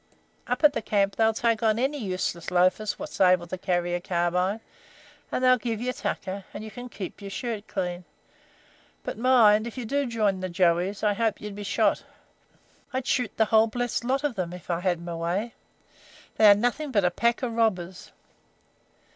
Up at the camp they'll take on any useless loafer wot's able to carry a carbine, and they'll give you tucker, and you can keep your shirt clean. But, mind, if you do join the Joeys, I hope you'll be shot. I'd shoot the hull blessed lot of 'em if I had my way. They are nothin' but a pack of robbers."